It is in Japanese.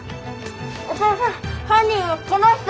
お父さん犯人はこの人！